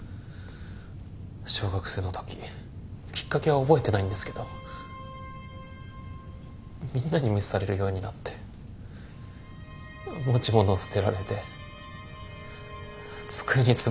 小学生のとききっかけは覚えてないんですけどみんなに無視されるようになって持ち物捨てられて机に唾吐かれて。